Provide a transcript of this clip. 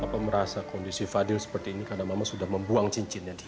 bapak merasa kondisi fadil seperti ini karena mama sudah membuang cincinnya